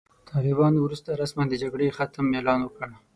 طالبانو وروسته رسماً د جګړې د ختم اعلان وکړ.